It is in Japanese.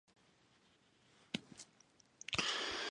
いつまでこれを続けたらいいのか